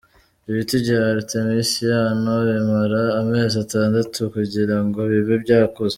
Ibiti bya Artemisia annua bimara amezi atandatu kugira ngo bibe byakuze.